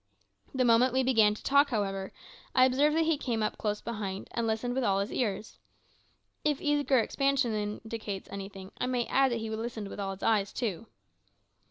The moment we began to talk, however, I observed that he came close up behind, and listened with all his ears. If eager expansion indicates anything, I may add that he listened with all his eyes too!